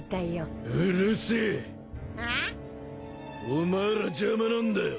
お前ら邪魔なんだよ。